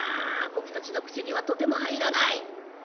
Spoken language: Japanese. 僕たちの口にはとても入らない。